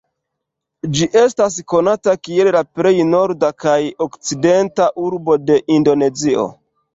Ĝi estas konata kiel la plej norda kaj okcidenta urbo de Indonezio.